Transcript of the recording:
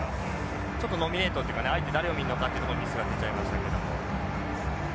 ちょっとノミネートというか相手誰を見るのかってところでミスが出ちゃいましたけども。